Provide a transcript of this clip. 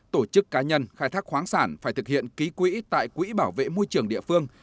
tổ chức cá nhân khai thác khoáng sản phải thực hiện ký quỹ tại quỹ bảo vệ môi trường địa phương